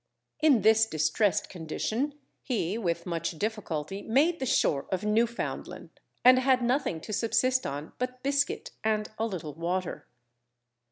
In this distressed condition, he with much difficulty made the shore of Newfoundland, and had nothing to subsist on but biscuit and a little water.